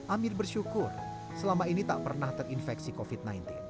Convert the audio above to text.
amir bersyukur selama ini tak pernah terinfeksi covid sembilan belas